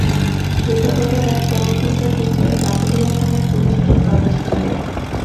দিবাগত রাত পৌনে তিনটার দিকে বাকলিয়া থানার পুলিশ বাসে তল্লাশি চালায়।